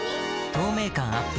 透明感アップ